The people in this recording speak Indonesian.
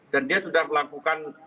dan dia sudah dilakukan